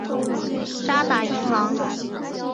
渣打银行。